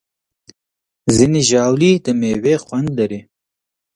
ځینې ژاولې د میوې خوند لري.